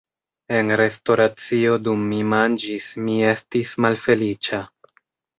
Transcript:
En restoracio dum mi manĝis, mi estis malfeliĉa.